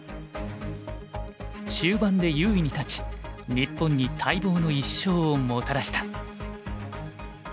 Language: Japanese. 終盤で優位に立ち日本に待望の１勝をもたらした。